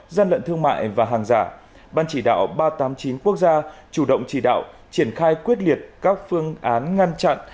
gian lận thương mại và hàng giả ban chỉ đạo ba trăm tám mươi chín quốc gia chủ động chỉ đạo triển khai quyết liệt các phương án ngăn chặn